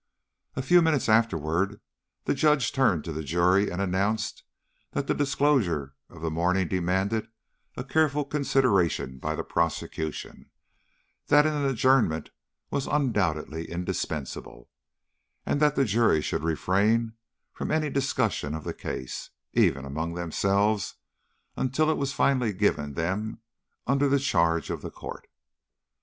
A few minutes afterward the Judge turned to the jury and announced that the disclosures of the morning demanded a careful consideration by the prosecution, that an adjournment was undoubtedly indispensable, and that the jury should refrain from any discussion of the case, even among themselves, until it was finally given them under the charge of the Court.